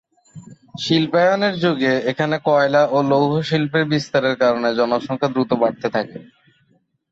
শিল্পায়নের যুগে এখানে কয়লা ও লৌহ শিল্পের বিস্তারের কারণে জনসংখ্যা দ্রুত বাড়তে থাকে।